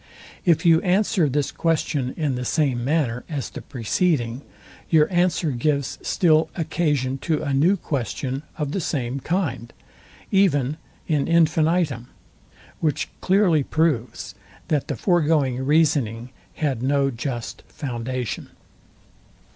If you answer this question in, the same manner as the preceding, your answer gives still occasion to a new question of the same kind, even in infinitum; which clearly proves, that the foregoing reasoning had no just foundation.